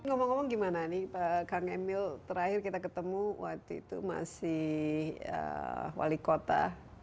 ngomong ngomong gimana nih kang emil terakhir kita ketemu waktu itu masih wali kota